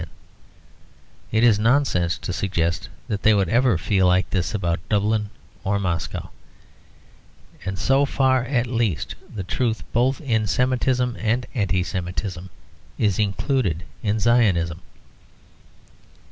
It is nonsense to suggest that they would ever feel like this about Dublin or Moscow. And so far at least the truth both in Semitism and Anti Semitism is included in Zionism.